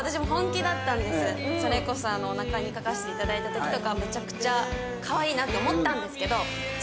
それこそおなかに書かせて頂いた時とかめちゃくちゃかわいいなって思ったんですけど２